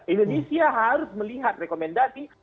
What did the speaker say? indonesia harus melihat rekomendasi